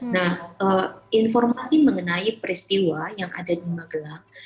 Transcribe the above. nah informasi mengenai peristiwa yang ada di magelang